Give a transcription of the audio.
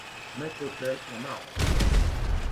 Maître autel en marbre.